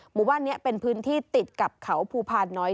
หมู่บ้านนี้เป็นพื้นที่ติดกับเขาภูพานน้อย